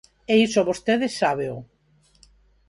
E iso vostede sábeo.